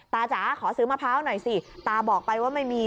จ๋าขอซื้อมะพร้าวหน่อยสิตาบอกไปว่าไม่มี